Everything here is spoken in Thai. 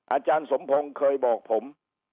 อาจารย์สมพงศ์เคยบอกผม